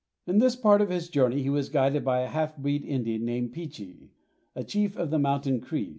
In this part of his journey he was guided by a half breed Indian named Peechee, a chief of the Mountain Crees.